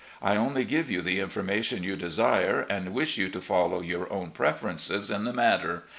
I only give you the information you desire, and wish you to follow yotu" own preferences in the matter.